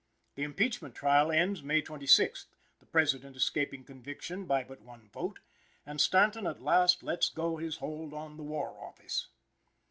The impeachment trial ends May 26th, the President escaping conviction by but one vote; and Stanton at last lets go his hold on the War office.